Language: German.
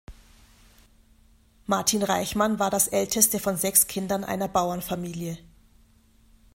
Martin Reichmann war das älteste von sechs Kindern einer Bauernfamilie.